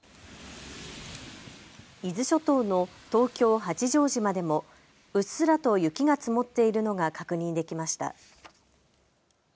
伊豆諸島の東京八丈島でもうっすらと雪が積もっているのが確認できました。